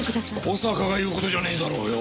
小坂が言う事じゃねえだろうよ！